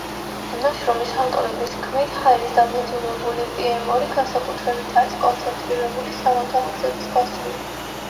ნაშრომის ავტორების თქმით, ჰაერის დამბინძურებელი პიემ-ორი განსაკუთრებით არის კონცენტრირებული სამანქანო გზების გასწვრივ.